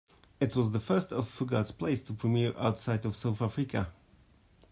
It was the first of Fugard's plays to premiere outside of South Africa.